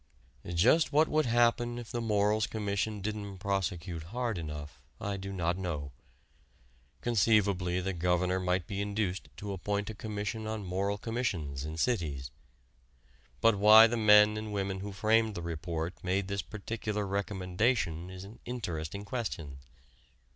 Just what would happen if the Morals Commission didn't prosecute hard enough I do not know. Conceivably the Governor might be induced to appoint a Commission on Moral Commissions in Cities. But why the men and women who framed the report made this particular recommendation is an interesting question.